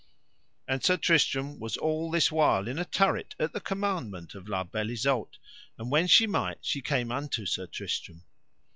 And Sir Tristram was all this while in a turret at the commandment of La Beale Isoud, and when she might she came unto Sir Tristram.